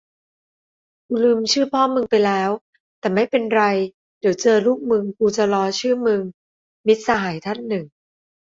กูลืมชื่อพ่อมึงไปแล้ว แต่ไม่เป็นไร เดี๋ยวเจอลูกมึงกูจะล้อชื่อมึง มิตรสหายท่านหนึ่ง